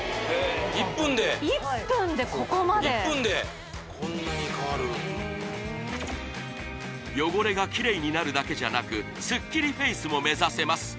１分で１分でここまで１分でこんなに変わるへ汚れがキレイになるだけじゃなくスッキリフェイスも目指せます